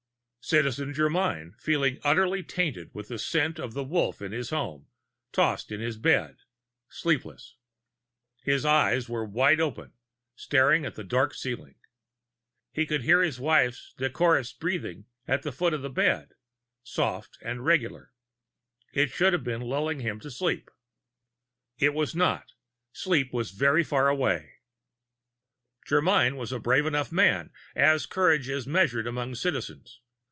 Citizen Germyn, feeling utterly tainted with the scent of the Wolf in his home, tossed in his bed, sleepless. His eyes were wide open, staring at the dark ceiling. He could hear his wife's decorous breathing from the foot of the bed soft and regular, it should have been lulling him to sleep. It was not. Sleep was very far away. Germyn was a brave enough man, as courage is measured among Citizens.